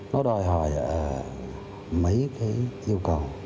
nó đòi hỏi mấy cái yêu cầu